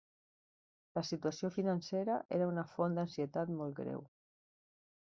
La situació financera era una font d'ansietat molt greu.